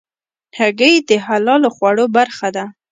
هګۍ د حلالو خوړو برخه ده.